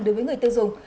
đối với người tiêu dùng